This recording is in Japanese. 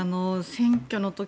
選挙の時